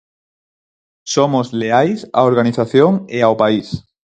Somos leais á organización e ao país.